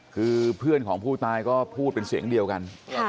คือเพื่อนของผู้ตายก็พูดเป็นเสียงเดียวกัน